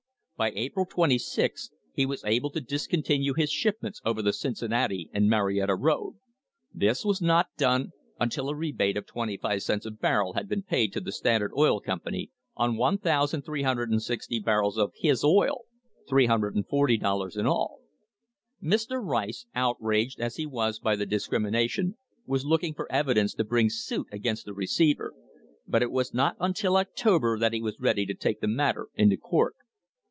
By April 26 he was able to discontinue his shipments over the Cincinnati and Marietta road. This was not done until a rebate of twenty five cents a barrel had been paid to the Standard Oil Company on 1,360 barrels of his oil $340 in all. Mr. Rice, outraged as he was by the discrimination, was looking for evidence to bring suit against the receiver, but it was not until October that he was ready to take the matter into court.